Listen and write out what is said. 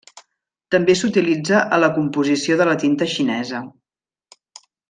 També s'utilitza a la composició de la tinta xinesa.